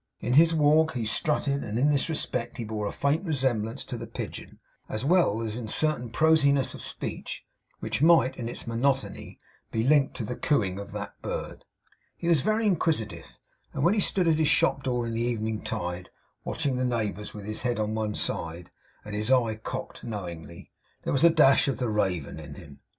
In his walk he strutted; and, in this respect, he bore a faint resemblance to the pigeon, as well as in a certain prosiness of speech, which might, in its monotony, be likened to the cooing of that bird. He was very inquisitive; and when he stood at his shop door in the evening tide, watching the neighbours, with his head on one side, and his eye cocked knowingly, there was a dash of the raven in him.